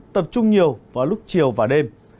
tập trung nhiều vào lúc chiều và đêm